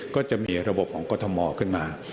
ก็จะมีระบบของกรทมขึ้นมา